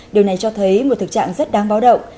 điều này cho thấy một thực trạng rất đáng báo động